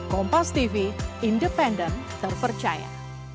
kompas tv independen terpercaya